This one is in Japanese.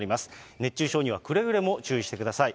熱中症にはくれぐれも注意してください。